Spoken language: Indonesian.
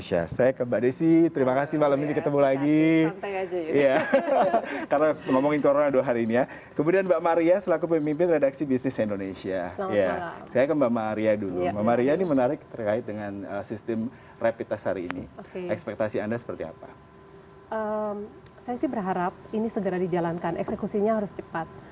saya sih berharap ini segera dijalankan eksekusinya harus cepat